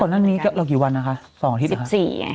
แล้วก็ตอนนั้นนี้เรากี่วันนะคะ๒อาทิตย์นะคะ